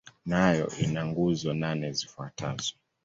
Nayo ina nguzo nane zifuatazo.